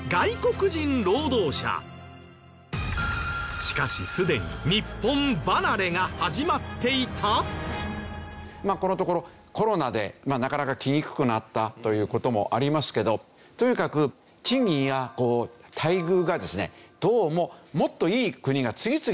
しかしすでにまあこのところコロナでなかなか来にくくなったという事もありますけどとにかく賃金や待遇がですねどうももっといい国が次々に出てきて。